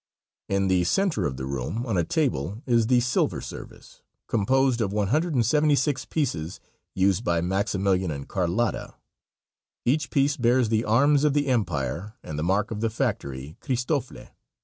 In the center of the room on a table is the silver service, composed of one hundred and seventy six pieces, used by Maximilian and Carlotta. Each piece bears the arms of the empire and the mark of the factory "Cristofle."